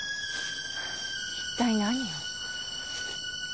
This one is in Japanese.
一体何を。